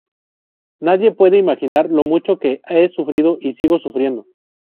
Nadie puede imaginar lo mucho que he sufrido y sigo sufriendo".